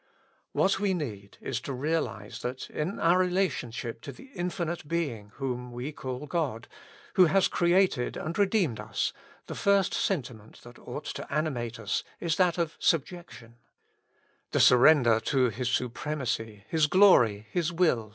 What we need is to realize that in our relationship to the Infinite Being whom we call God, who has created and re deemed us, the first sentiment that ought to animate us is that of subjection ; the surrender to His supre macy, His glory, His will.